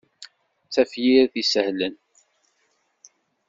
D tafyirt isehlen.